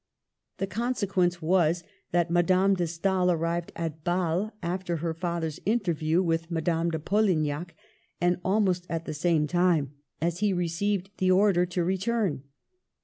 The consequence was that Madame de Stael arrived at B&le after her father's interview with Madame de Polignac, and almost at the same time as he received the order to return.